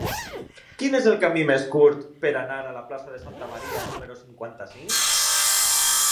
Quin és el camí més curt per anar a la plaça de Santa Maria número cinquanta-cinc?